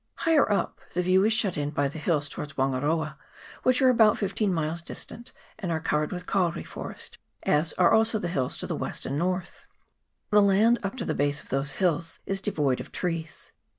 Higher up, the view is shut in by the hills towards Wangaroa, which are about fifteen miles distant, and are covered with kauri forest, as are also the hills to the west and north. The land up to the base of those hills is devoid of trees.